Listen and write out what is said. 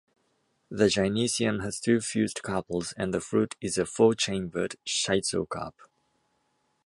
The gynoecium has two fused carpels and the fruit is a four-chambered schizocarp.